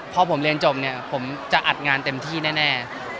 พอผมเรียนจบเนี่ยผมจะอัดงานเต็มที่แน่